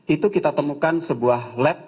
itu kita temukan sebuah lab